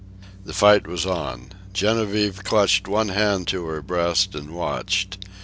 The fight was on. Genevieve clutched one hand to her breast and watched.